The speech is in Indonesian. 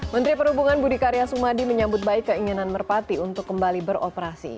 menteri perhubungan budi karya sumadi menyambut baik keinginan merpati untuk kembali beroperasi